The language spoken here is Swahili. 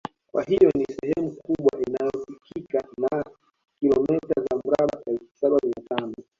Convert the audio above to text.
Kwa hiyo ni sehemu kubwa inayofikika ya kilomita za mraba elfu Saba Mia tano